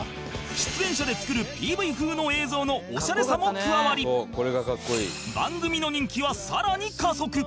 出演者で作る ＰＶ 風の映像のオシャレさも加わり番組の人気はさらに加速